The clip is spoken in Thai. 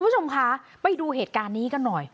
คุณผู้ชมคะไปดูเหตุการณ์นี้กันหน่อย